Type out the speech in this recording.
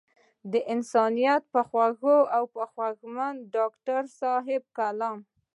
د انسانيت پۀ خوږو خوږمند د ډاکټر صېب کلام